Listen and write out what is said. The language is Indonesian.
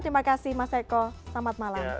terima kasih mas eko selamat malam